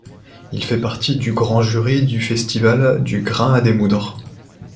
Il fait partie du grand jury du Festival du grain à démoudre.